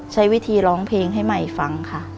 ใช้วิธีร้องเพลงให้ใหม่ฟังค่ะ